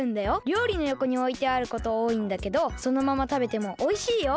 りょうりのよこにおいてあることおおいんだけどそのままたべてもおいしいよ。